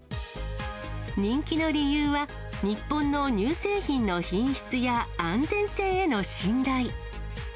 人気の理由は、日本の乳製品の品質や安全性への信頼。